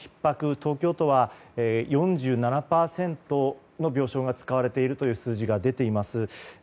東京都は４７％の病床が使われている数字が出ています。